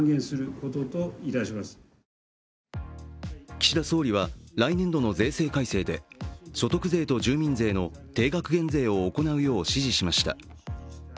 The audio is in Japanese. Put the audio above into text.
岸田総理は来年度の税制改正で所得税と住民税の定額減税を行うよう指示しました。